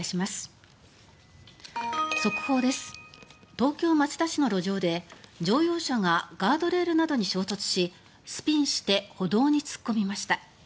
東京・町田市の路上で乗用車がガードレールなどに衝突しスピンして歩道に突っ込みました。